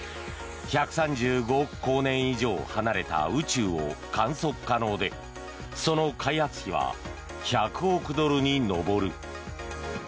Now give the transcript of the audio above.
１３５億光年以上離れた宇宙を観測可能でその開発費は１００億ドルに上る。